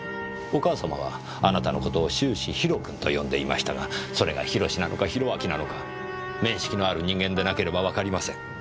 お母様はあなたの事を終始「ひろ君」と呼んでいましたがそれがヒロシなのかヒロアキなのか面識のある人間でなければわかりません。